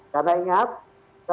karena ingat ya